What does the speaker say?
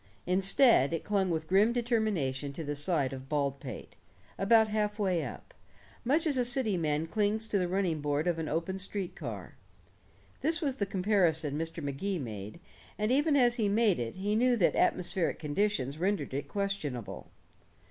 Instead it clung with grim determination to the side of Baldpate, about half way up, much as a city man clings to the running board of an open street car. This was the comparison Mr. Magee made, and even as he made it he knew that atmospheric conditions rendered it questionable.